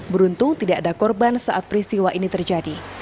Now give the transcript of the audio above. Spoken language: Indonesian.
beruntung tidak ada korban saat peristiwa ini terjadi